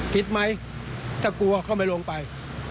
ผิดไหมถ้ากลัวก็ไม่ลงไป